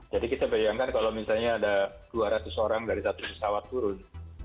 jadi kita bayangkan kalau misalnya ada dua ratus orang dari satu pesawat turun